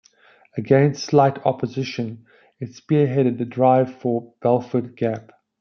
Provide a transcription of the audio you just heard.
Against slight opposition, it spearheaded the drive for the Belfort Gap.